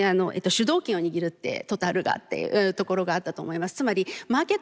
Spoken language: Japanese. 「主導権を握る」って「Ｔｏｔａｌが」っていうところがあったと思います。